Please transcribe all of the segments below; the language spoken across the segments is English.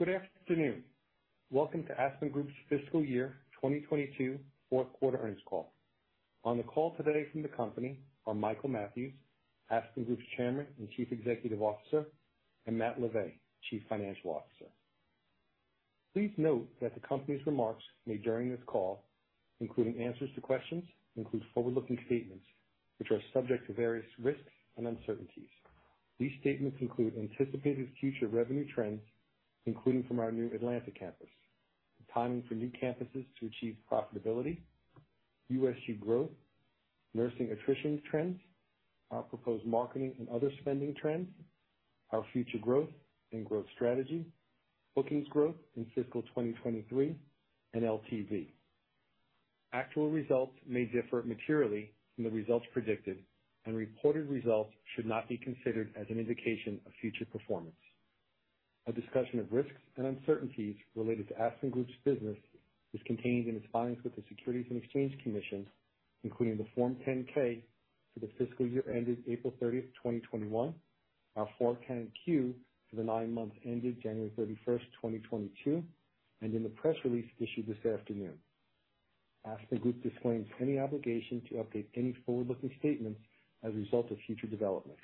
Good afternoon. Welcome to Aspen Group's Fiscal Year 2022 fourth quarter earnings call. On the call today from the company are Michael Mathews, Aspen Group's Chairman and Chief Executive Officer, and Matt LaVay, Chief Financial Officer. Please note that the company's remarks made during this call, including answers to questions, include forward-looking statements which are subject to various risks and uncertainties. These statements include anticipated future revenue trends, including from our new Atlanta campus, the timing for new campuses to achieve profitability, USU growth, nursing attrition trends, our proposed marketing and other spending trends, our future growth and growth strategy, bookings growth in fiscal 2023, and LTV. Actual results may differ materially from the results predicted, and reported results should not be considered as an indication of future performance. A discussion of risks and uncertainties related to Aspen Group's business is contained in its filings with the Securities and Exchange Commission, including the Form 10-K for the fiscal year ended April 30th, 2021, our Form 10-Q for the nine months ended January 31st, 2022, and in the press release issued this afternoon. Aspen Group disclaims any obligation to update any forward-looking statements as a result of future developments.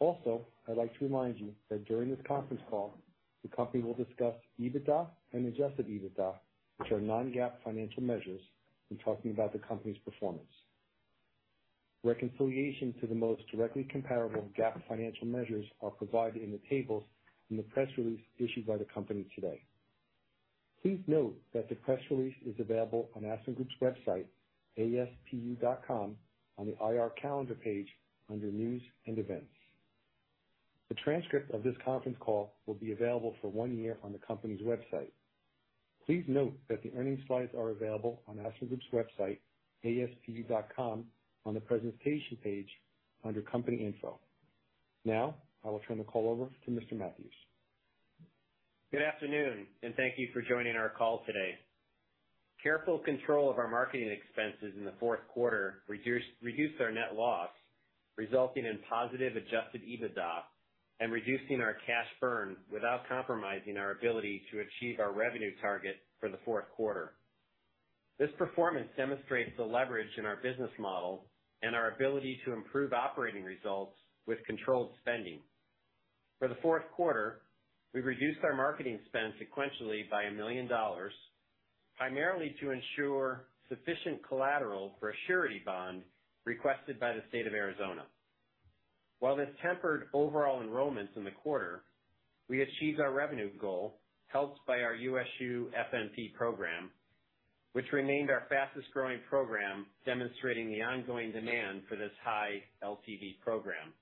Also, I'd like to remind you that during this conference call, the company will discuss EBITDA and Adjusted EBITDA, which are non-GAAP financial measures, in talking about the company's performance. Reconciliation to the most directly comparable GAAP financial measures are provided in the tables in the press release issued by the company today. Please note that the press release is available on Aspen Group's website, aspu.com, on the IR Calendar page under News & Events. The transcript of this conference call will be available for one year on the company's website. Please note that the earnings slides are available on Aspen Group's website, aspu.com, on the Presentation page under Company Info. Now, I will turn the call over to Mr. Mathews. Good afternoon, and thank you for joining our call today. Careful control of our marketing expenses in the fourth quarter reduced our net loss, resulting in positive Adjusted EBITDA and reducing our cash burn without compromising our ability to achieve our revenue target for the fourth quarter. This performance demonstrates the leverage in our business model and our ability to improve operating results with controlled spending. For the fourth quarter, we reduced our marketing spend sequentially by $1 million, primarily to ensure sufficient collateral for a surety bond requested by the State of Arizona. While this tempered overall enrollments in the quarter, we achieved our revenue goal, helped by our USU FNP program, which remained our fastest-growing program, demonstrating the ongoing demand for this high LTV program.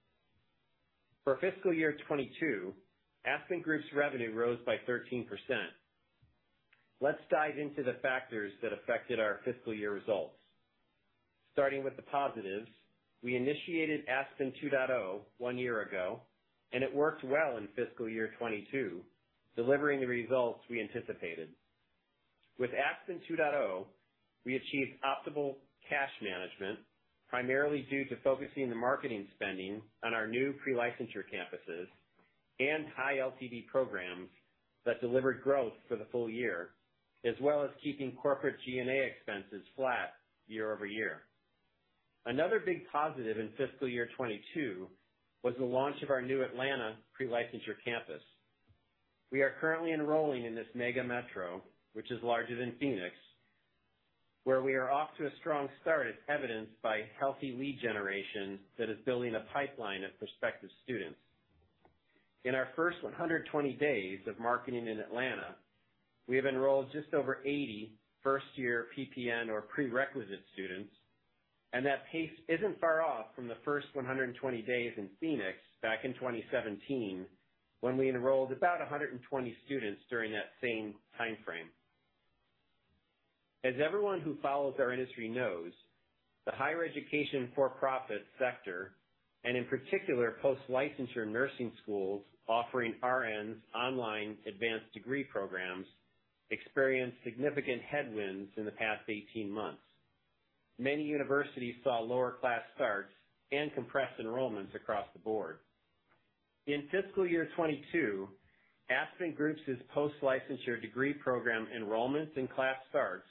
For fiscal year 2022, Aspen Group's revenue rose by 13%. Let's dive into the factors that affected our fiscal year results. Starting with the positives, we initiated Aspen 2.0 one year ago, and it worked well in fiscal year 2022, delivering the results we anticipated. With Aspen 2.0, we achieved optimal cash management, primarily due to focusing the marketing spending on our new pre-licensure campuses and high LTV programs that delivered growth for the full year, as well as keeping corporate G&A expenses flat year-over-year. Another big positive in fiscal year 2022 was the launch of our new Atlanta pre-licensure campus. We are currently enrolling in this mega metro, which is larger than Phoenix, where we are off to a strong start, as evidenced by healthy lead generation that is building a pipeline of prospective students. In our first 120 days of marketing in Atlanta, we have enrolled just over 80 first-year PPN or prerequisite students, and that pace isn't far off from the first 120 days in Phoenix back in 2017, when we enrolled about 120 students during that same timeframe. As everyone who follows our industry knows, the higher education for-profit sector, and in particular, post-licensure nursing schools offering RNs online advanced degree programs, experienced significant headwinds in the past 18 months. Many universities saw lower class starts and compressed enrollments across the board. In fiscal year 2022, Aspen Group's post-licensure degree program enrollments and class starts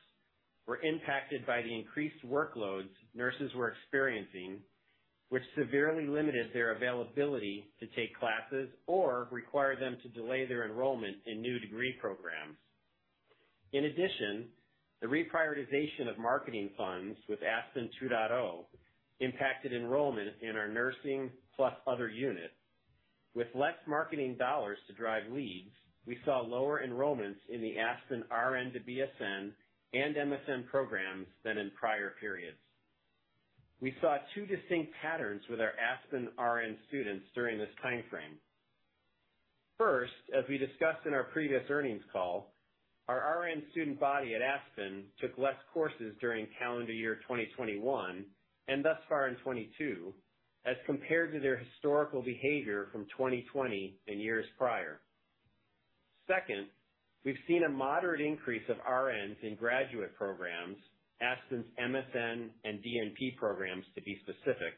were impacted by the increased workloads nurses were experiencing, which severely limited their availability to take classes or required them to delay their enrollment in new degree programs. In addition, the reprioritization of marketing funds with Aspen 2.0 impacted enrollment in our nursing plus other unit. With less marketing dollars to drive leads, we saw lower enrollments in the Aspen RN to BSN and MSN programs than in prior periods. We saw two distinct patterns with our Aspen RN students during this timeframe. First, as we discussed in our previous earnings call, our RN student body at Aspen took less courses during Calendar Year 2021, and thus far in 2022, as compared to their historical behavior from 2020 and years prior. Second, we've seen a moderate increase of RNs in graduate programs, Aspen's MSN and DNP programs, to be specific.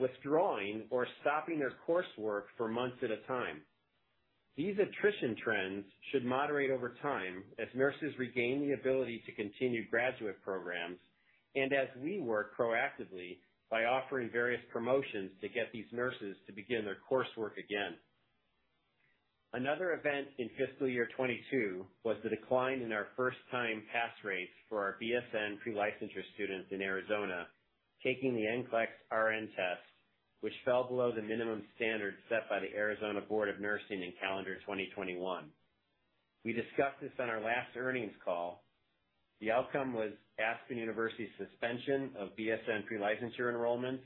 Withdrawing or stopping their coursework for months at a time. These attrition trends should moderate over time as nurses regain the ability to continue graduate programs and as we work proactively by offering various promotions to get these nurses to begin their coursework again. Another event in fiscal year 2022 was the decline in our first-time pass rates for our BSN pre-licensure students in Arizona taking the NCLEX-RN test, which fell below the minimum standards set by the Arizona State Board of Nursing in Calendar 2021. We discussed this on our last earnings call. The outcome was Aspen University's suspension of BSN pre-licensure enrollments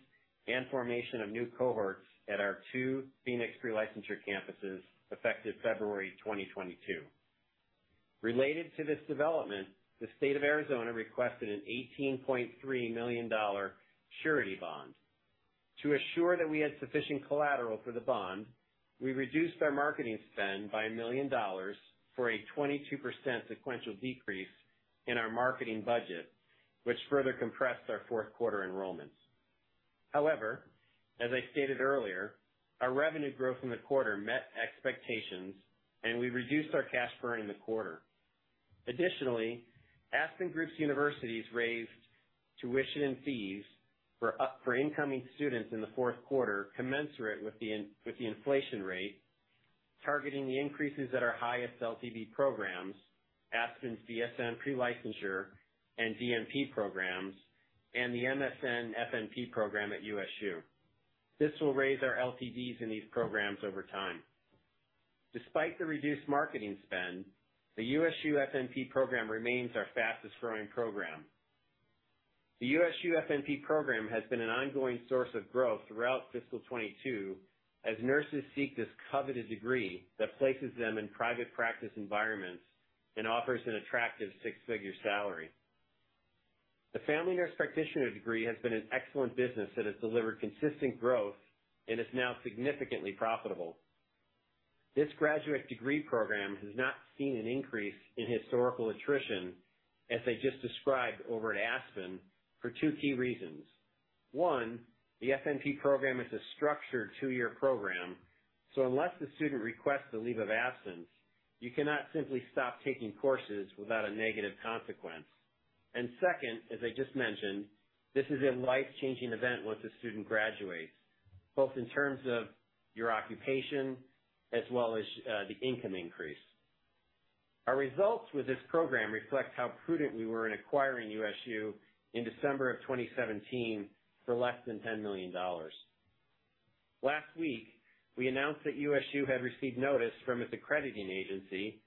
and formation of new cohorts at our two Phoenix pre-licensure campuses effective February 2022. Related to this development, the state of Arizona requested an $18.3 million surety bond. To assure that we had sufficient collateral for the bond, we reduced our marketing spend by $1 million for a 22% sequential decrease in our marketing budget, which further compressed our fourth quarter enrollments. However, as I stated earlier, our revenue growth in the quarter met expectations, and we reduced our cash burn in the quarter. Additionally, Aspen Group's universities raised tuition and fees for incoming students in the fourth quarter, commensurate with the inflation rate, targeting the increases at our highest LTV programs, Aspen's BSN pre-licensure and DNP programs, and the MSN-FNP program at USU. This will raise our LTVs in these programs over time. Despite the reduced marketing spend, the USU FNP program remains our fastest-growing program. The USU FNP program has been an ongoing source of growth throughout fiscal 2022, as nurses seek this coveted degree that places them in private practice environments and offers an attractive six-figure salary. The Family Nurse Practitioner degree has been an excellent business that has delivered consistent growth and is now significantly profitable. This graduate degree program has not seen an increase in historical attrition, as I just described over at Aspen, for two key reasons. One, the FNP program is a structured two-year program, so unless the student requests a leave of absence, you cannot simply stop taking courses without a negative consequence. Second, as I just mentioned, this is a life-changing event once a student graduates, both in terms of your occupation as well as the income increase. Our results with this program reflect how prudent we were in acquiring USU in December of 2017 for less than $10 million. Last week, we announced that USU had received notice from its accrediting agency,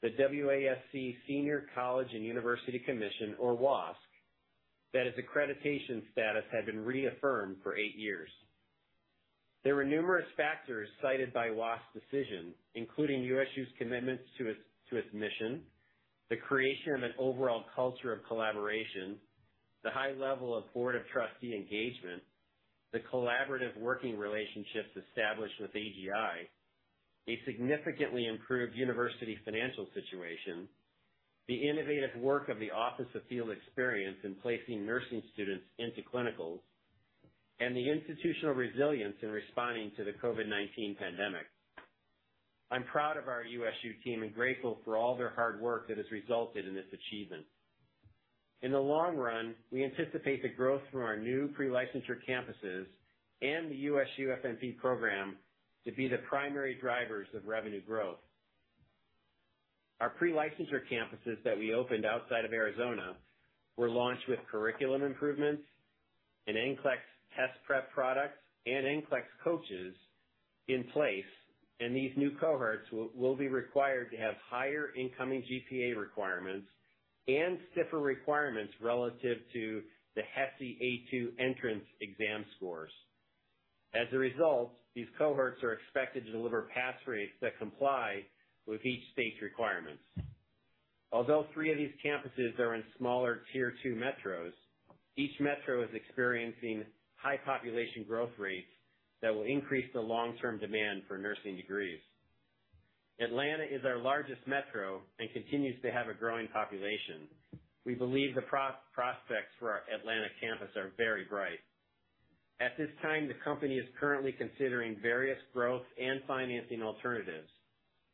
the WASC Senior College and University Commission, or WASC, that its accreditation status had been reaffirmed for eight years. There were numerous factors cited by WASC's decision, including USU's commitments to its mission, the creation of an overall culture of collaboration, the high level of board of trustees engagement, the collaborative working relationships established with AGI, a significantly improved university financial situation, the innovative work of the Office of Field Experience in placing nursing students into clinicals, and the institutional resilience in responding to the COVID-19 pandemic. I'm proud of our USU team and grateful for all their hard work that has resulted in this achievement. In the long run, we anticipate the growth from our new pre-licensure campuses and the USU FNP program to be the primary drivers of revenue growth. Our pre-licensure campuses that we opened outside of Arizona were launched with curriculum improvements and NCLEX test prep products and NCLEX coaches in place, and these new cohorts will be required to have higher incoming GPA requirements and stiffer requirements relative to the HESI A2 entrance exam scores. As a result, these cohorts are expected to deliver pass rates that comply with each state's requirements. Although three of these campuses are in smaller Tier Two metros, each metro is experiencing high population growth rates that will increase the long-term demand for nursing degrees. Atlanta is our largest metro and continues to have a growing population. We believe the prospects for our Atlanta campus are very bright. At this time, the company is currently considering various growth and financing alternatives.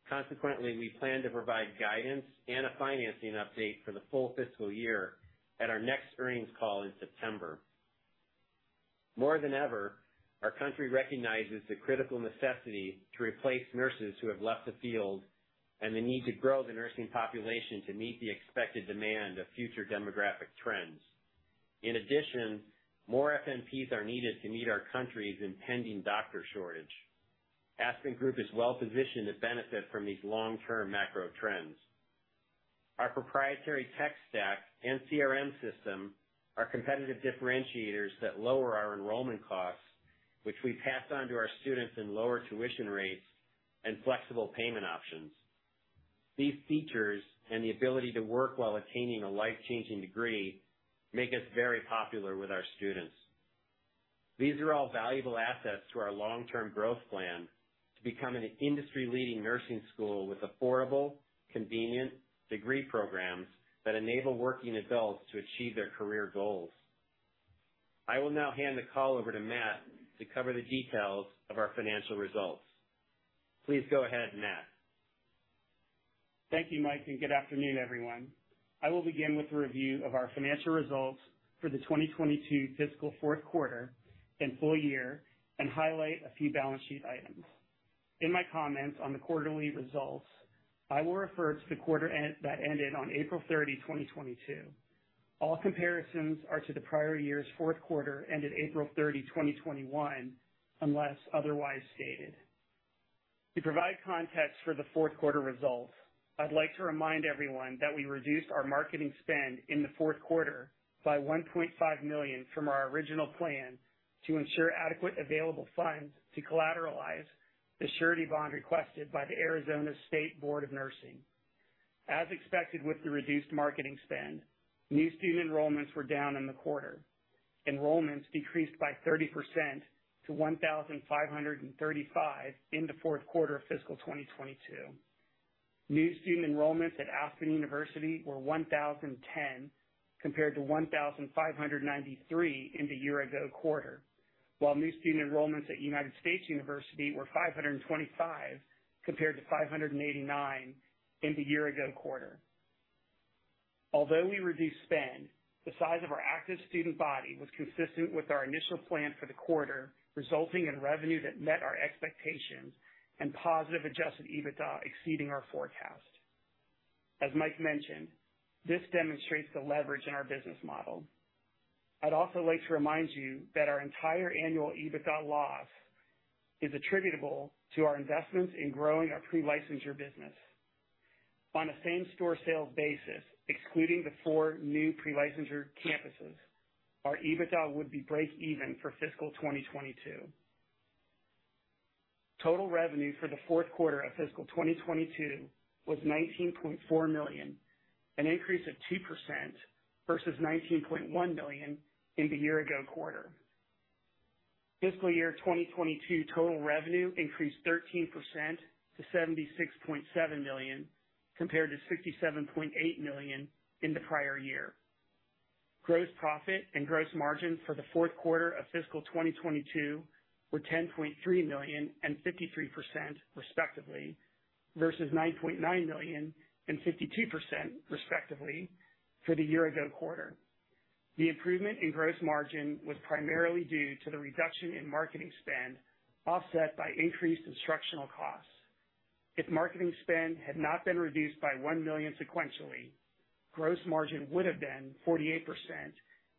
Consequently, we plan to provide guidance and a financing update for the full fiscal year at our next earnings call in September. More than ever, our country recognizes the critical necessity to replace nurses who have left the field and the need to grow the nursing population to meet the expected demand of future demographic trends. In addition, more FNPs are needed to meet our country's impending doctor shortage. Aspen Group is well-positioned to benefit from these long-term macro trends. Our proprietary tech stack and CRM system are competitive differentiators that lower our enrollment costs, which we pass on to our students in lower tuition rates and flexible payment options. These features, and the ability to work while attaining a life-changing degree, make us very popular with our students. These are all valuable assets to our long-term growth plan. To become an industry leading nursing school with affordable, convenient degree programs that enable working adults to achieve their career goals. I will now hand the call over to Matt to cover the details of our financial results. Please go ahead, Matt. Thank you, Mike, and good afternoon, everyone. I will begin with a review of our financial results for the 2022 fiscal fourth quarter and full year and highlight a few balance sheet items. In my comments on the quarterly results, I will refer to the quarter ended on April 30, 2022. All comparisons are to the prior year's fourth quarter, ended April 30, 2021, unless otherwise stated. To provide context for the fourth quarter results, I'd like to remind everyone that we reduced our marketing spend in the fourth quarter by $1.5 million from our original plan to ensure adequate available funds to collateralize the surety bond requested by the Arizona State Board of Nursing. As expected, with the reduced marketing spend, new student enrollments were down in the quarter. Enrollments decreased by 30% to 1,535 in the fourth quarter of fiscal 2022. New student enrollments at Aspen University were 1,010, compared to 1,593 in the year ago quarter, while new student enrollments at United States University were 525, compared to 589 in the year ago quarter. Although we reduced spend, the size of our active student body was consistent with our initial plan for the quarter, resulting in revenue that met our expectations and positive Adjusted EBITDA exceeding our forecast. As Mike mentioned, this demonstrates the leverage in our business model. I'd also like to remind you that our entire annual EBITDA loss is attributable to our investments in growing our pre-licensure business. On a same-store sales basis, excluding the four new pre-licensure campuses, our EBITDA would be break even for fiscal 2022. Total revenue for the fourth quarter of fiscal 2022 was $19.4 million, an increase of 2% versus $19.1 million in the year ago quarter. Fiscal year 2022 total revenue increased 13% to $76.7 million, compared to $67.8 million in the prior year. Gross profit and gross margin for the fourth quarter of fiscal 2022 were $10.3 million and 53% respectively, versus $9.9 million and 52% respectively for the year ago quarter. The improvement in gross margin was primarily due to the reduction in marketing spend, offset by increased instructional costs. If marketing spend had not been reduced by $1 million sequentially, gross margin would have been 48%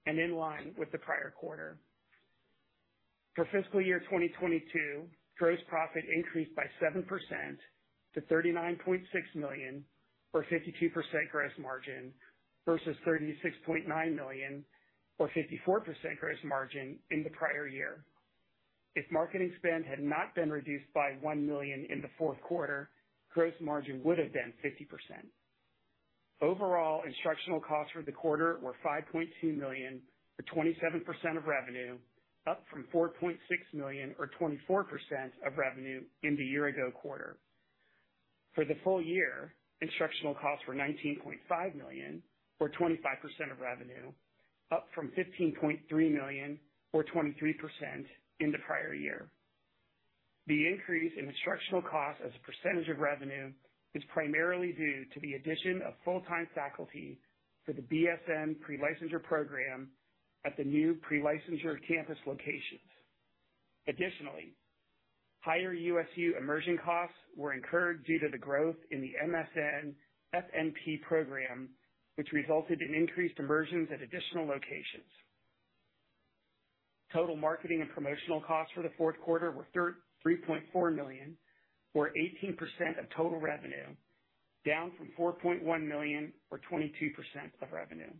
and in line with the prior quarter. For fiscal year 2022, gross profit increased by 7% to $39.6 million, or 52% gross margin versus $36.9 million or 54% gross margin in the prior year. If marketing spend had not been reduced by $1 million in the fourth quarter, gross margin would have been 50%. Overall, instructional costs for the quarter were $5.2 million or 27% of revenue, up from $4.6 million or 24% of revenue in the year ago quarter. For the full year, instructional costs were $19.5 million or 25% of revenue, up from $15.3 million or 23% in the prior year. The increase in instructional costs as a percentage of revenue is primarily due to the addition of full-time faculty for the BSN pre-licensure program at the new pre-licensure campus locations. Additionally, higher USU immersion costs were incurred due to the growth in the MSN-FNP program, which resulted in increased immersions at additional locations. Total marketing and promotional costs for the fourth quarter were $3.4 million or 18% of total revenue, down from $4.1 million or 22% of revenue.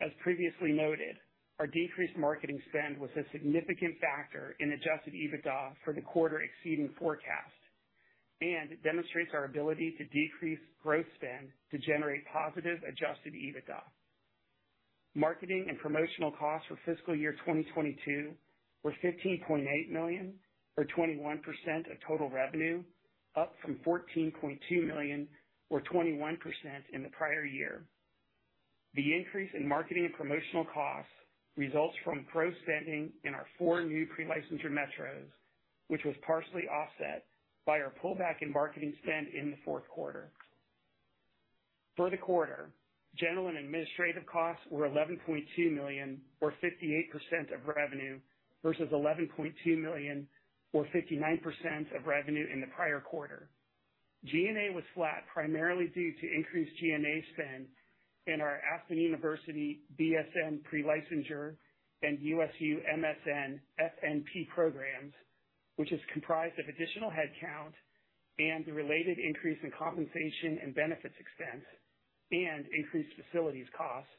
As previously noted, our decreased marketing spend was a significant factor in Adjusted EBITDA for the quarter exceeding forecast, and it demonstrates our ability to decrease growth spend to generate positive Adjusted EBITDA. Marketing and promotional costs for fiscal year 2022 were $15.8 million or 21% of total revenue, up from $14.2 million or 21% in the prior year. The increase in marketing and promotional costs results from growth spending in our four new pre-licensure metros, which was partially offset by our pullback in marketing spend in the fourth quarter. For the quarter, general and administrative costs were $11.2 million or 58% of revenue, versus $11.2 million or 59% of revenue in the prior quarter. G&A was flat, primarily due to increased G&A spend in our Aspen University BSN pre-licensure and USU MSN-FNP programs, which is comprised of additional headcount and the related increase in compensation and benefits expense and increased facilities costs,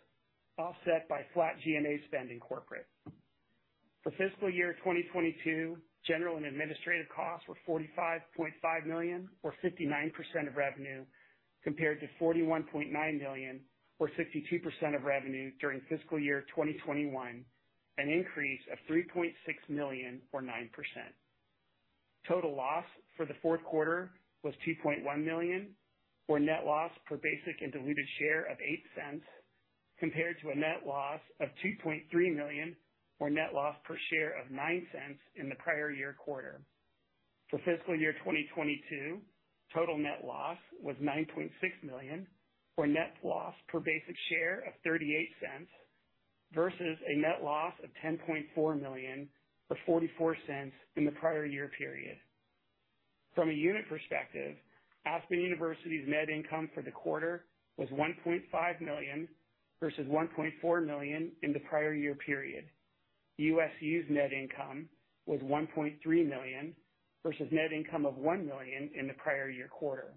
offset by flat G&A spend in corporate. For fiscal year 2022, general and administrative costs were $45.5 million or 59% of revenue, compared to $41.9 million or 62% of revenue during fiscal year 2021. An increase of $3.6 million or 9%. Total loss for the fourth quarter was $2.1 million, or net loss per basic and diluted share of $0.08, compared to a net loss of $2.3 million or net loss per share of $0.09 in the prior year quarter. For fiscal year 2022, total net loss was $9.6 million, or net loss per basic share of $0.38, versus a net loss of $10.4 million or $0.44 in the prior year period. From a unit perspective, Aspen University's net income for the quarter was $1.5 million versus $1.4 million in the prior year period. USU's net income was $1.3 million versus net income of $1 million in the prior year quarter.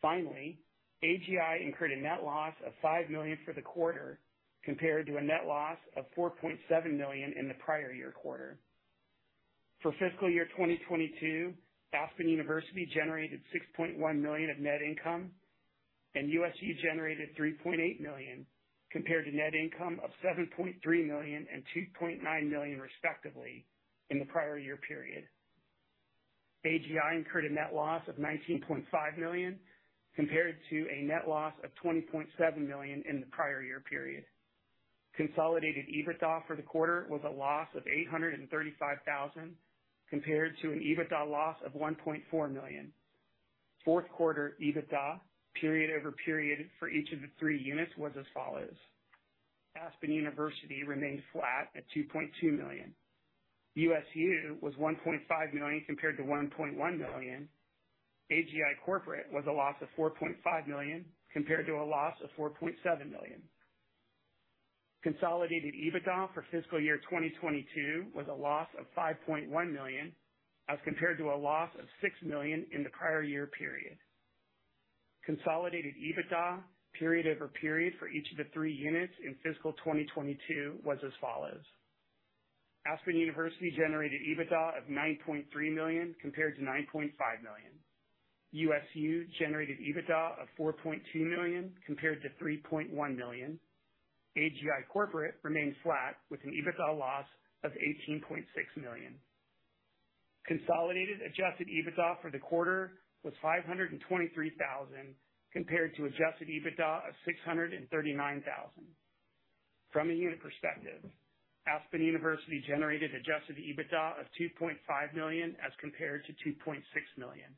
Finally, AGI incurred a net loss of $5 million for the quarter, compared to a net loss of $4.7 million in the prior year quarter. For fiscal year 2022, Aspen University generated $6.1 million of net income, and USU generated $3.8 million, compared to net income of $7.3 million and $2.9 million, respectively, in the prior year period. AGI incurred a net loss of $19.5 million, compared to a net loss of $20.7 million in the prior year period. Consolidated EBITDA for the quarter was a loss of $835,000, compared to an EBITDA loss of $1.4 million. Fourth quarter EBITDA period over period for each of the three units was as follows: Aspen University remained flat at $2.2 million. USU was $1.5 million compared to $1.1 million. AGI Corporate was a loss of $4.5 million, compared to a loss of $4.7 million. Consolidated EBITDA for fiscal year 2022 was a loss of $5.1 million, as compared to a loss of $6 million in the prior year period. Consolidated EBITDA period over period for each of the three units in fiscal 2022 was as follows: Aspen University generated EBITDA of $9.3 million compared to $9.5 million. USU generated EBITDA of $4.2 million compared to $3.1 million. AGI Corporate remained flat with an EBITDA loss of $18.6 million. Consolidated Adjusted EBITDA for the quarter was $523,000, compared to Adjusted EBITDA of $639,000. From a unit perspective, Aspen University generated Adjusted EBITDA of $2.5 million as compared to $2.6 million.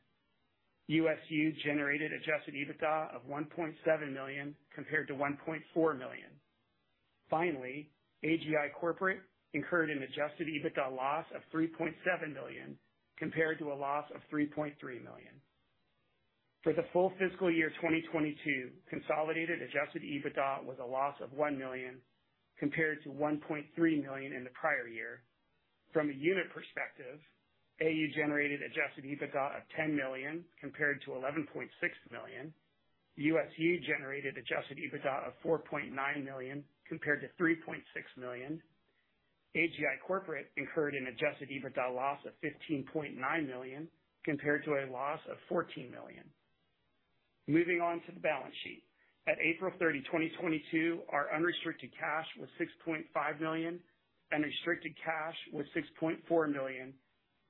USU generated Adjusted EBITDA of $1.7 million compared to $1.4 million. Finally, AGI Corporate incurred an Adjusted EBITDA loss of $3.7 million compared to a loss of $3.3 million. For the full fiscal year 2022, consolidated Adjusted EBITDA was a loss of $1 million compared to $1.3 million in the prior year. From a unit perspective, AU generated Adjusted EBITDA of $10 million compared to $11.6 million. USU generated Adjusted EBITDA of $4.9 million compared to $3.6 million. AGI Corporate incurred an Adjusted EBITDA loss of $15.9 million compared to a loss of $14 million. Moving on to the balance sheet. At April 30, 2022, our unrestricted cash was $6.5 million, and restricted cash was $6.4 million,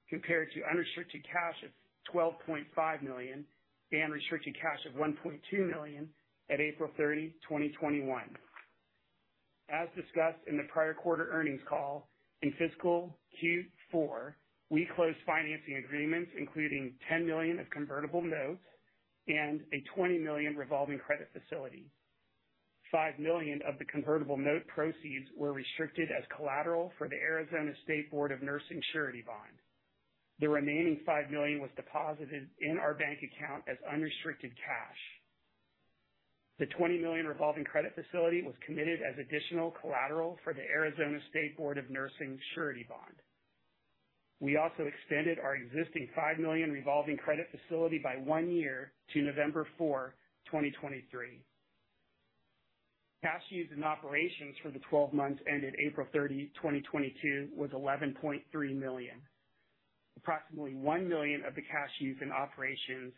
compared to unrestricted cash of $12.5 million and restricted cash of $1.2 million at April 30, 2021. As discussed in the prior quarter earnings call, in fiscal Q4, we closed financing agreements including $10 million of convertible notes and a $20 million revolving credit facility. $5 million of the convertible note proceeds were restricted as collateral for the Arizona State Board of Nursing surety bond. The remaining $5 million was deposited in our bank account as unrestricted cash. The $20 million revolving credit facility was committed as additional collateral for the Arizona State Board of Nursing surety bond. We also extended our existing $5 million revolving credit facility by one year to November 4, 2023. Cash used in operations for the twelve months ended April 30, 2022 was $11.3 million. Approximately $1 million of the cash used in operations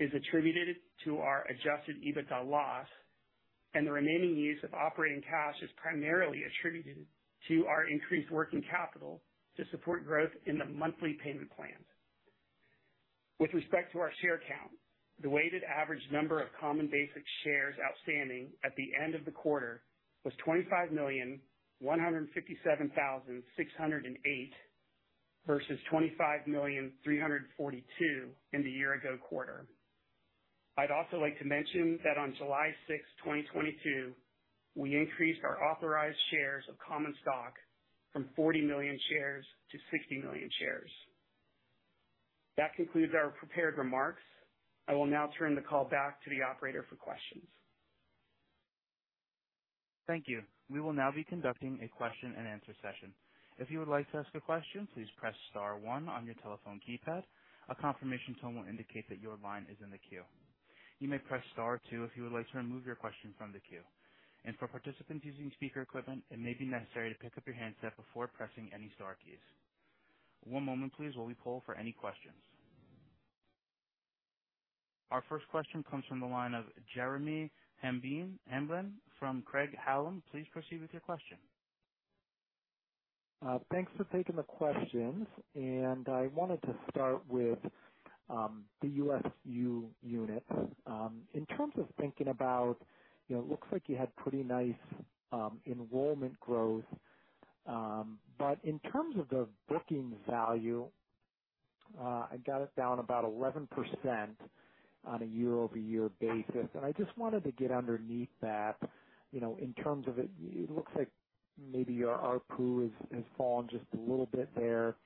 is attributed to our Adjusted EBITDA loss, and the remaining use of operating cash is primarily attributed to our increased working capital to support growth in the monthly payment plans. With respect to our share count, the weighted average number of common basic shares outstanding at the end of the quarter was 25,157,608, versus 25,000,342 in the year ago quarter. I'd also like to mention that on July 6th, 2022, we increased our authorized shares of common stock from 40 million shares to 60 million shares. That concludes our prepared remarks. I will now turn the call back to the operator for questions. Thank you. We will now be conducting a question and answer session. If you would like to ask a question, please press star one on your telephone keypad. A confirmation tone will indicate that your line is in the queue. You may press star two if you would like to remove your question from the queue. For participants using speaker equipment, it may be necessary to pick up your handset before pressing any star keys. One moment please while we poll for any questions. Our first question comes from the line of Jeremy Hamblin from Craig-Hallum. Please proceed with your question. Thanks for taking the questions. I wanted to start with the USU unit. In terms of thinking about, you know, it looks like you had pretty nice enrollment growth. But in terms of the booking value, I got it down about 11% on a year-over-year basis. I just wanted to get underneath that, you know, in terms of it looks like maybe your ARPU has fallen just a little bit there.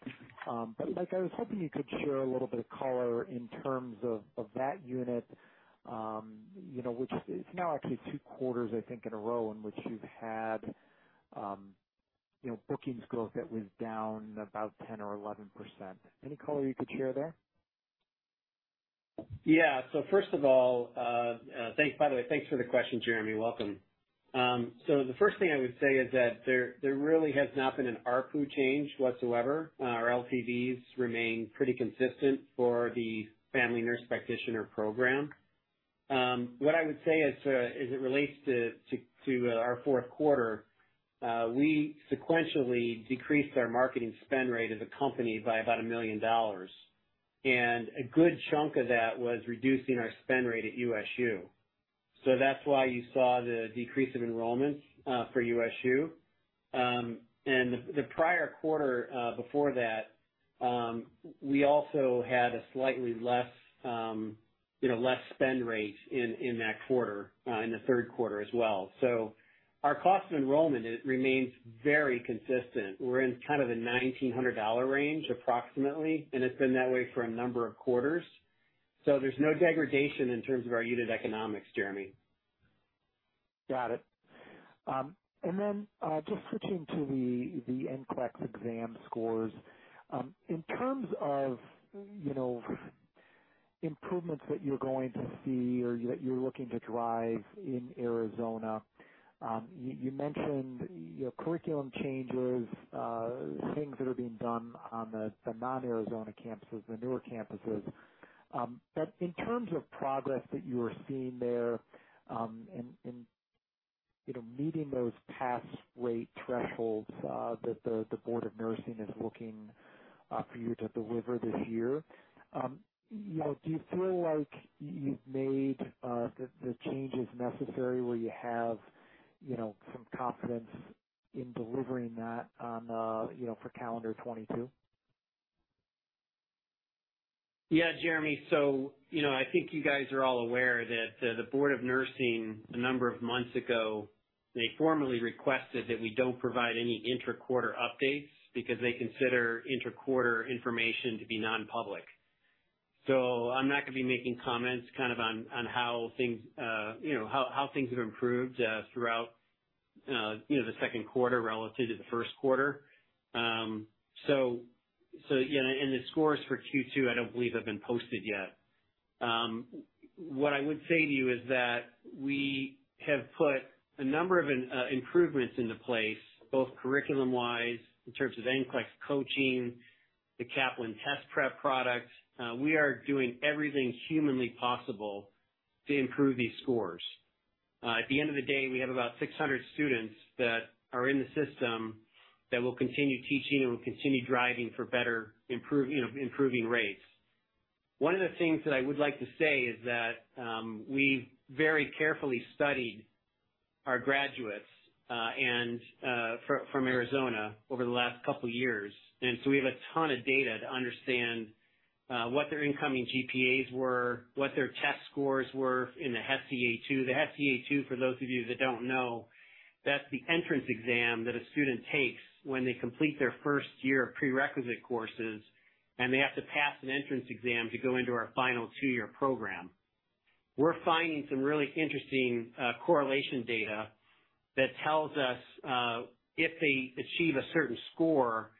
But like, I was hoping you could share a little bit of color in terms of that unit, you know, which it's now actually two quarters, I think, in a row in which you've had, you know, bookings growth that was down about 10% or 11%. Any color you could share there? Yeah. First of all, thanks, by the way, thanks for the question, Jeremy. Welcome. The first thing I would say is that there really has not been an ARPU change whatsoever. Our LTVs remain pretty consistent for the Family Nurse Practitioner program. What I would say as it relates to our fourth quarter, we sequentially decreased our marketing spend rate as a company by about $1 million, and a good chunk of that was reducing our spend rate at USU. That's why you saw the decrease of enrollments for USU. The prior quarter before that, we also had a slightly less, you know, less spend rate in that quarter in the third quarter as well. Our cost of enrollment is remains very consistent. We're in kind of the $1,900 range approximately, and it's been that way for a number of quarters. There's no degradation in terms of our unit economics, Jeremy. Got it. Then, just switching to the NCLEX exam scores. In terms of, you know, improvements that you're going to see or that you're looking to drive in Arizona, you mentioned, you know, curriculum changes, things that are being done on the non-Arizona campuses, the newer campuses. In terms of progress that you are seeing there, in, you know, meeting those pass rate thresholds, that the board of nursing is looking for you to deliver this year, you know, do you feel like you've made the changes necessary where you have, you know, some confidence in delivering that on, you know, for Calendar 2022? Yeah, Jeremy. You know, I think you guys are all aware that the Board of Nursing, a number of months ago, they formally requested that we don't provide any inter-quarter updates because they consider inter-quarter information to be non-public. I'm not gonna be making comments kind of on how things have improved throughout the second quarter relative to the first quarter. You know, the scores for Q2, I don't believe have been posted yet. What I would say to you is that we have put a number of improvements into place, both curriculum-wise in terms of NCLEX coaching, the Kaplan Test Prep product. We are doing everything humanly possible to improve these scores. At the end of the day, we have about 600 students that are in the system that we'll continue teaching and we'll continue driving for better improve, you know, improving rates. One of the things that I would like to say is that, we very carefully studied our graduates, and from Arizona over the last couple years, and so we have a ton of data to understand, what their incoming GPAs were, what their test scores were in the HESI A2. The HESI A2, for those of you that don't know, that's the entrance exam that a student takes when they complete their first year of prerequisite courses, and they have to pass an entrance exam to go into our final two-year program. We're finding some really interesting correlation data that tells us if they achieve a certain score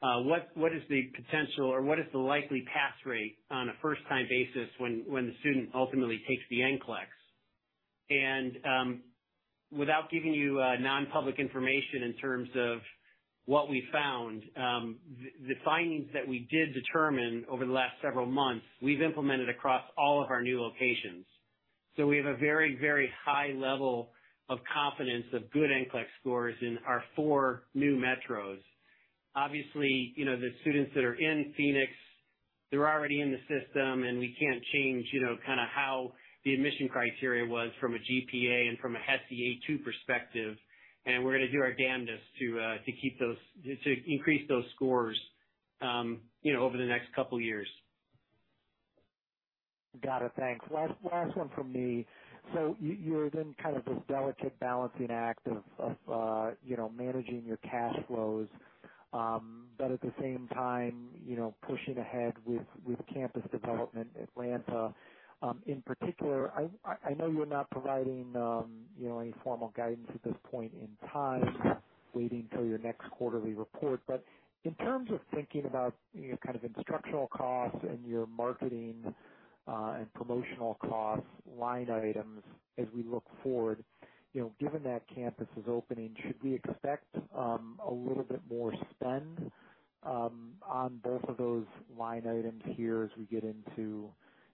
what is the potential or what is the likely pass rate on a first time basis when the student ultimately takes the NCLEX. Without giving you non-public information in terms of what we found, the findings that we did determine over the last several months, we've implemented across all of our new locations. We have a very, very high level of confidence of good NCLEX scores in our four new metros. Obviously, you know, the students that are in Phoenix, they're already in the system, and we can't change, you know, kinda how the admission criteria was from a GPA and from a HESI A2 perspective, and we're gonna do our damnedest to increase those scores, you know, over the next couple years. Got it. Thanks. Last one from me. You are then kind of this delicate balancing act of, you know, managing your cash flows, but at the same time, you know, pushing ahead with campus development, Atlanta, in particular. I know you're not providing, you know, any formal guidance at this point in time waiting till your next quarterly report. In terms of thinking about your kind of instructional costs and your marketing, and promotional costs line items as we look forward, you know, given that campus is opening, should we expect a little bit more spend on both of those line items here as we get into,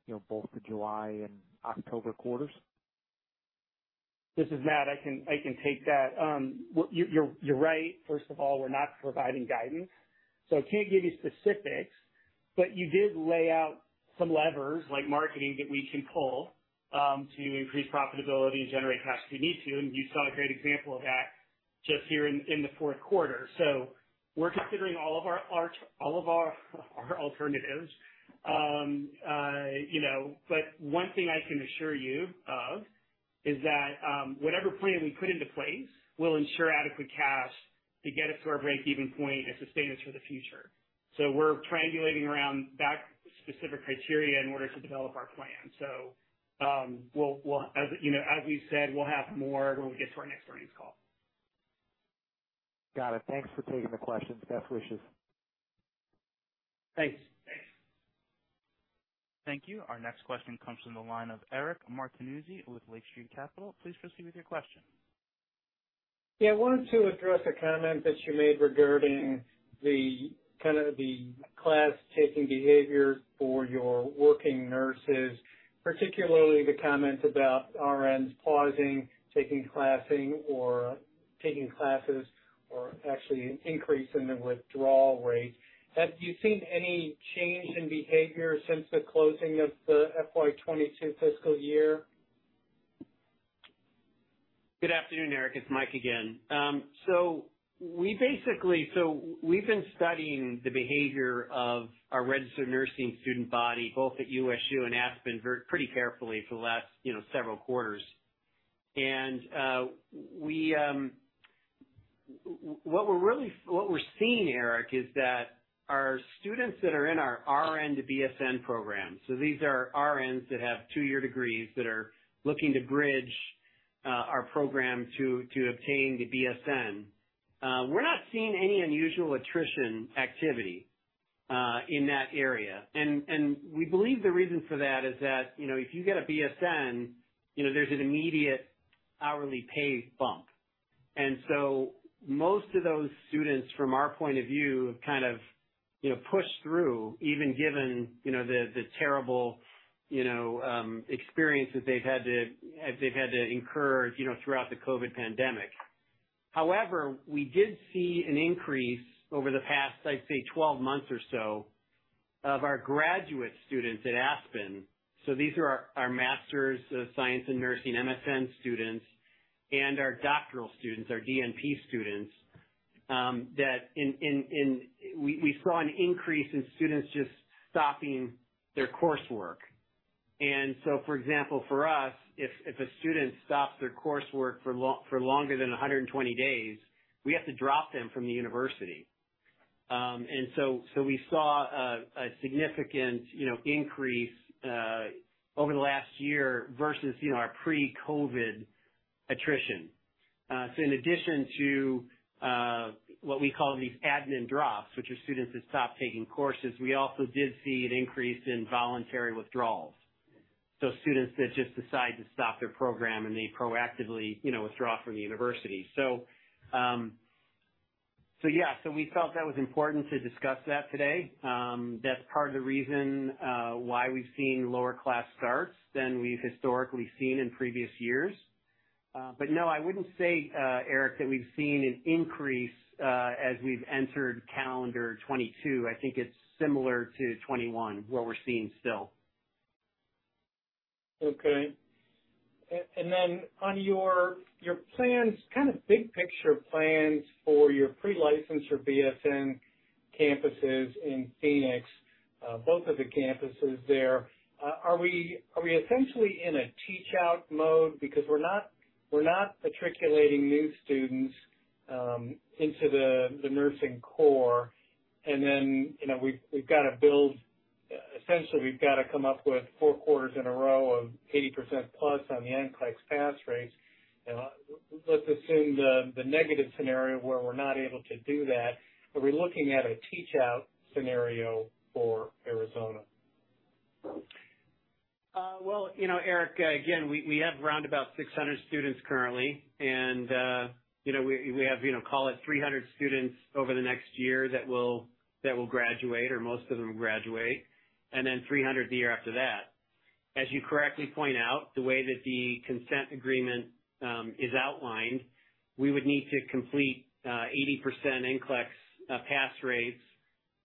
you know, both the July and October quarters? This is Matt. I can take that. You're right. First of all, we're not providing guidance, so I can't give you specifics, but you did lay out some levers like marketing that we can pull to increase profitability and generate cash if we need to. You saw a great example of that just here in the fourth quarter. We're considering all of our alternatives. You know, but one thing I can assure you of is that whatever plan we put into place will ensure adequate cash to get us to our breakeven point and sustain us for the future. We're triangulating around that specific criteria in order to develop our plan. We'll, as you know, as we've said, we'll have more when we get to our next earnings call. Got it. Thanks for taking the questions. Best wishes. Thanks. Thanks. Thank you. Our next question comes from the line of Eric Martinuzzi with Lake Street Capital. Please proceed with your question. Yeah. I wanted to address a comment that you made regarding the kind of the class-taking behavior for your working nurses, particularly the comments about RNs pausing, taking classes or taking classes or actually an increase in the withdrawal rate. Have you seen any change in behavior since the closing of the FY 2022 fiscal year? Good afternoon, Eric. It's Mike again. We've been studying the behavior of our registered nursing student body, both at USU and Aspen, pretty carefully for the last several quarters. What we're seeing, Eric, is that our students that are in our RN to BSN program, so these are RNs that have two-year degrees that are looking to bridge our program to obtain the BSN. We're not seeing any unusual attrition activity in that area. We believe the reason for that is that if you get a BSN, there's an immediate hourly pay bump. Most of those students, from our point of view, have kind of, you know, pushed through, even given, you know, the terrible, you know, experience that they've had to incur, you know, throughout the COVID-19 pandemic. However, we did see an increase over the past, I'd say, 12 months or so of our graduate students at Aspen. These are our Master of Science in Nursing, MSN students and our doctoral students, our DNP students, that we saw an increase in students just stopping their coursework. For example, for us, if a student stops their coursework for longer than 120 days, we have to drop them from the university. We saw a significant, you know, increase over the last year versus, you know, our pre-COVID attrition. In addition to what we call these admin drops, which are students that stop taking courses, we also did see an increase in voluntary withdrawals. Students that just decide to stop their program, and they proactively, you know, withdraw from the university. We felt that was important to discuss that today. That's part of the reason why we've seen lower class starts than we've historically seen in previous years. No, I wouldn't say, Eric, that we've seen an increase as we've entered Calendar 2022. I think it's similar to 2021, what we're seeing still. Okay. On your plans, kind of big picture plans for your pre-licensure BSN campuses in Phoenix, both of the campuses there, are we essentially in a teach out mode because we're not matriculating new students into the nursing course, and then, you know, essentially we've got to come up with four quarters in a row of 80%+ on the NCLEX pass rates. Let's assume the negative scenario where we're not able to do that. Are we looking at a teach out scenario for Arizona? Well, you know, Eric, again, we have around about 600 students currently. You know, we have, you know, call it 300 students over the next year that will graduate, or most of them graduate, and then 300 the year after that. As you correctly point out, the way that the consent agreement is outlined, we would need to complete 80% NCLEX pass rates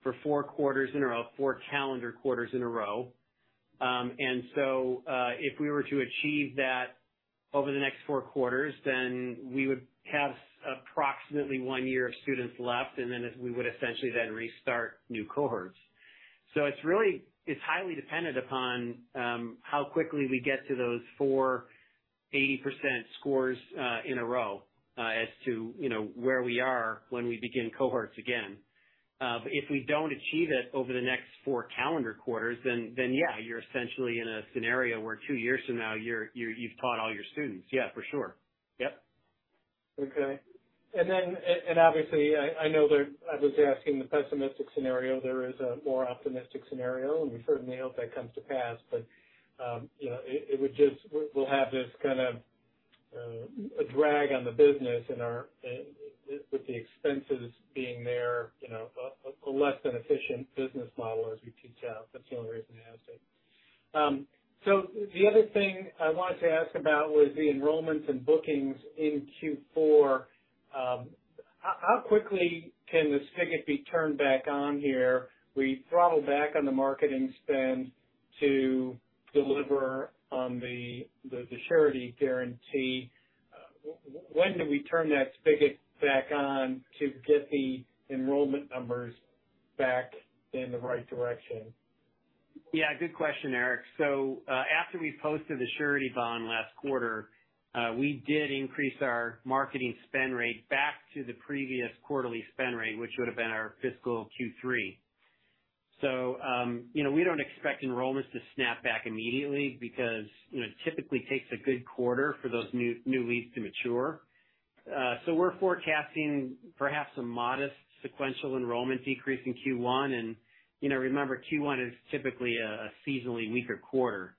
for four quarters in a row, four calendar quarters in a row. If we were to achieve that over the next four quarters, then we would have approximately one year of students left, and then we would essentially then restart new cohorts. It's highly dependent upon how quickly we get to those four 80% scores in a row as to, you know, where we are when we begin cohorts again. But if we don't achieve it over the next four calendar quarters, then yeah, you're essentially in a scenario where two years from now, you've taught all your students. Yeah, for sure. Yep. Okay. Then, obviously, I know there. I was asking the pessimistic scenario. There is a more optimistic scenario, and we certainly hope that comes to pass. You know, it would just. We'll have this kind of a drag on the business with the expenses being there, you know, a less than efficient business model as we teach out. That's the only reason I asked it. The other thing I wanted to ask about was the enrollments and bookings in Q4. How quickly can the spigot be turned back on here? We throttled back on the marketing spend to deliver on the surety guarantee. When do we turn that spigot back on to get the enrollment numbers back in the right direction? Yeah, good question, Eric. After we posted the surety bond last quarter, we did increase our marketing spend rate back to the previous quarterly spend rate, which would've been our fiscal Q3. You know, we don't expect enrollments to snap back immediately because, you know, it typically takes a good quarter for those new leads to mature. We're forecasting perhaps a modest sequential enrollment decrease in Q1. You know, remember, Q1 is typically a seasonally weaker quarter.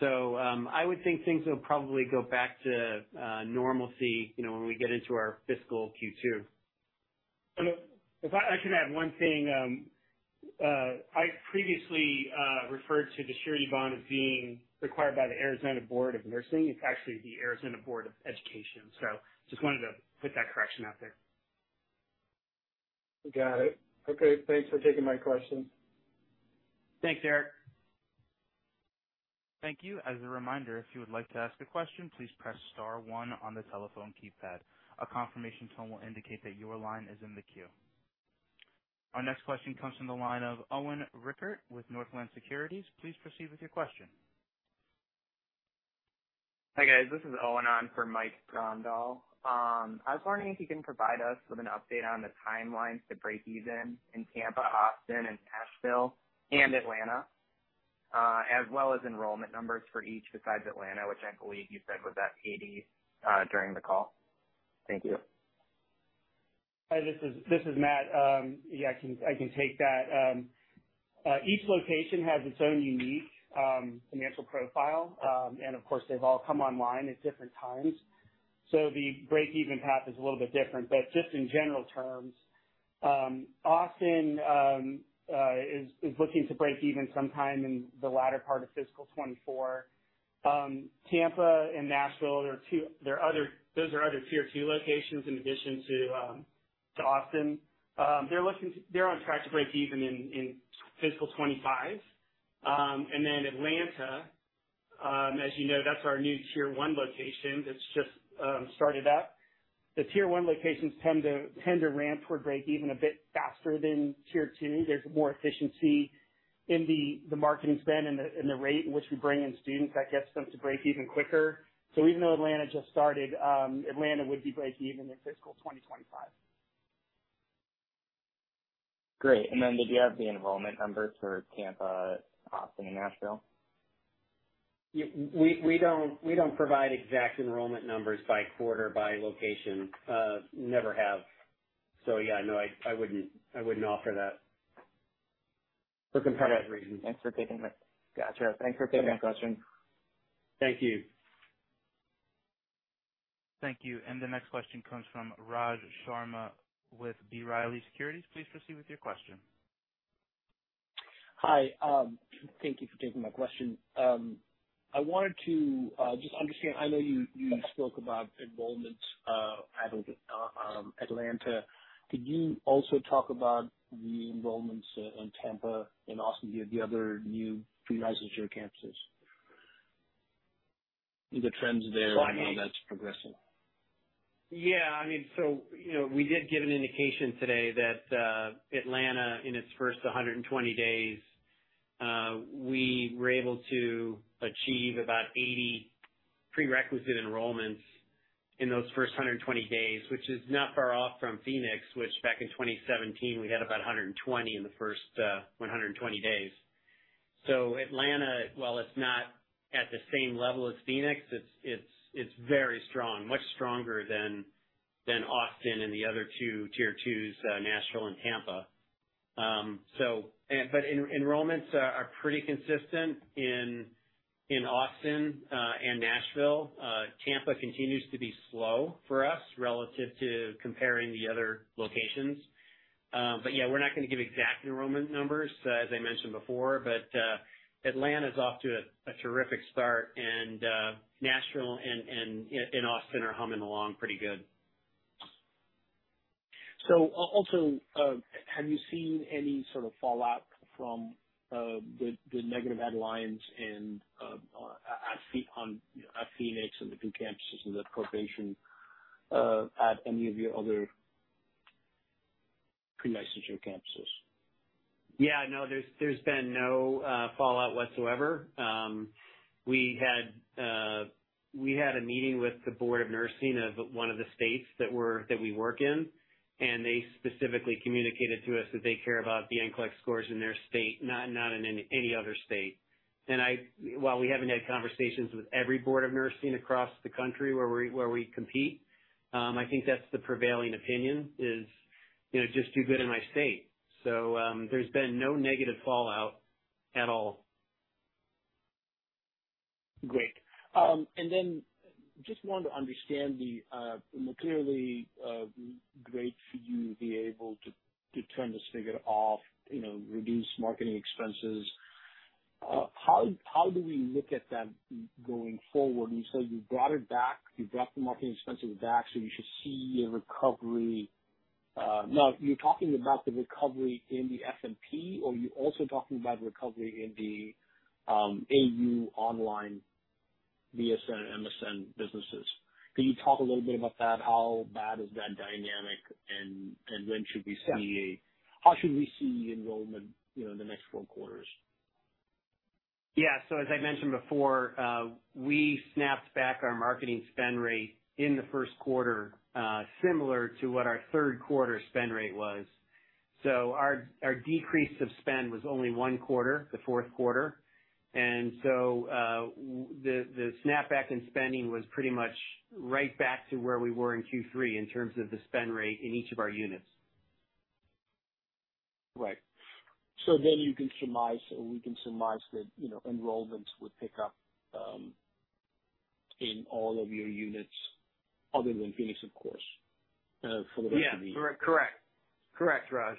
I would think things will probably go back to normalcy, you know, when we get into our fiscal Q2. If I actually add one thing, I previously referred to the surety bond as being required by the Arizona State Board of Nursing. It's actually the Arizona Board of Education. Just wanted to put that correction out there. Got it. Okay. Thanks for taking my question. Thanks, Eric. Thank you. As a reminder, if you would like to ask a question, please press star one on the telephone keypad. A confirmation tone will indicate that your line is in the queue. Our next question comes from the line of Owen Rickert with Northland Securities. Please proceed with your question. Hi, guys. This is Owen on for Mike Grondahl. I was wondering if you can provide us with an update on the timelines to break even in Tampa, Austin, and Nashville, and Atlanta, as well as enrollment numbers for each besides Atlanta, which I believe you said was at 80 during the call. Thank you. Hi, this is Matt. Yeah, I can take that. Each location has its own unique financial profile. Of course, they've all come online at different times, so the break even path is a little bit different. Just in general terms, Austin is looking to break even sometime in the latter part of fiscal 2024. Tampa and Nashville are other Tier Two locations in addition to Austin. They're on track to break even in fiscal 2025. Atlanta, as you know, that's our new Tier One location that's just started up. The Tier One locations tend to ramp toward break even a bit faster than Tier Two. There's more efficiency in the marketing spend and the rate in which we bring in students that gets them to break even quicker. Even though Atlanta just started, Atlanta would be break even in fiscal 2025. Great. Did you have the enrollment numbers for Tampa, Austin, and Nashville? We don't provide exact enrollment numbers by quarter, by location. Never have. Yeah, no, I wouldn't offer that for competitive reasons. Gotcha. Thanks for taking my question. Thank you. Thank you. The next question comes from Raj Sharma with B. Riley Securities. Please proceed with your question. Hi. Thank you for taking my question. I wanted to just understand. I know you spoke about enrollments at Atlanta. Could you also talk about the enrollments in Tampa and Austin, the other new pre-licensure campuses? The trends there and how that's progressing. Yeah. I mean, so, you know, we did give an indication today that, Atlanta, in its first 120 days, we were able to achieve about 80 prerequisite enrollments in those first 120 days, which is not far off from Phoenix, which back in 2017 we had about 120 in the first 120 days. Atlanta, while it's not at the same level as Phoenix, it's very strong. Much stronger than Austin and the other Tier Two, Nashville and Tampa. Enrollments are pretty consistent in Austin and Nashville. Tampa continues to be slow for us relative to comparing the other locations. Yeah, we're not gonna give exact enrollment numbers, as I mentioned before. Atlanta's off to a terrific start and Nashville and Austin are humming along pretty good. Also, have you seen any sort of fallout from the negative headlines and at Phoenix and the two campuses under probation at any of your other pre-licensure campuses? Yeah, no, there's been no fallout whatsoever. We had a meeting with the board of nursing of one of the states that we work in, and they specifically communicated to us that they care about the NCLEX scores in their state, not in any other state. While we haven't had conversations with every board of nursing across the country where we compete, I think that's the prevailing opinion, you know, just do good in my state. There's been no negative fallout at all. Great. Just wanted to understand the clearly great for you to be able to turn this spigot off, you know, reduce marketing expenses. How do we look at that going forward? You said you brought the marketing expenses back, so you should see a recovery. Now you're talking about the recovery in the FNP, or you're also talking about recovery in the AU online BSN, MSN businesses. Can you talk a little bit about that? How bad is that dynamic and when should we see? How should we see enrollment, you know, in the next four quarters? Yeah. As I mentioned before, we snapped back our marketing spend rate in the first quarter, similar to what our third quarter spend rate was. Our decrease of spend was only one quarter, the fourth quarter. The snap back in spending was pretty much right back to where we were in Q3 in terms of the spend rate in each of our units. Right. You can surmise or we can surmise that, you know, enrollments would pick up in all of your units other than Phoenix, of course, for the rest of the year. Yeah. Correct, Raj.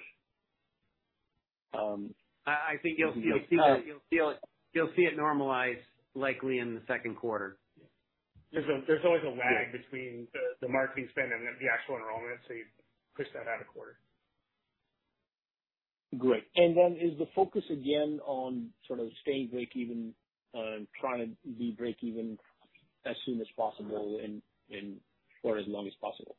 Um- I think you'll see it. You'll see it. You'll see it normalize likely in the second quarter. There's always a lag. Yeah. Between the marketing spend and the actual enrollment, so you push that out a quarter. Great. Is the focus again on sort of staying breakeven and trying to be breakeven as soon as possible for as long as possible?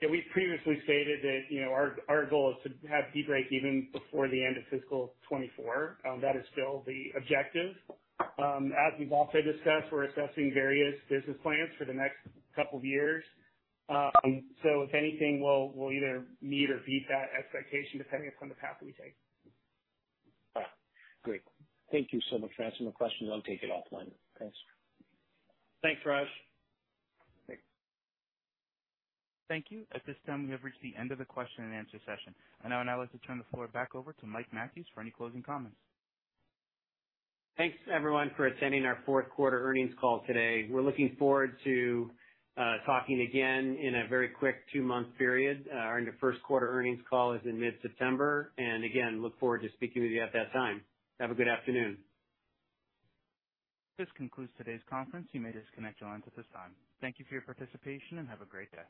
Yeah. We've previously stated that, you know, our goal is to be breakeven before the end of fiscal 2024. That is still the objective. As we've also discussed, we're assessing various business plans for the next couple of years. If anything, we'll either meet or beat that expectation depending upon the path we take. All right, great. Thank you so much for answering my question. I'll take it offline. Thanks. Thanks, Raj. Thanks. Thank you. At this time, we have reached the end of the question and answer session. I would now like to turn the floor back over to Mike Mathews for any closing comments. Thanks everyone for attending our fourth quarter earnings call today. We're looking forward to talking again in a very quick two-month period. Our end of first quarter earnings call is in mid-September, and again, look forward to speaking with you at that time. Have a good afternoon. This concludes today's conference. You may disconnect your lines at this time. Thank you for your participation and have a great day.